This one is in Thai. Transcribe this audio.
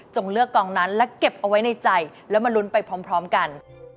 เลือกกองนั้นและเก็บเอาไว้ในใจแล้วมาลุ้นไปพร้อมกัน